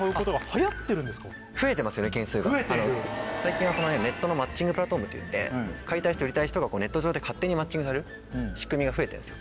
件数が最近はネットのマッチングプラットフォームっていって買いたい人売りたい人がネット上で勝手にマッチングされる仕組みが増えてるんですよ。